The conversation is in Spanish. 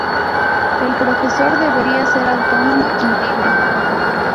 El profesor debería ser autónomo y libre.